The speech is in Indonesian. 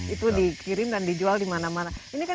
itu dikirim dan dijual dimana mana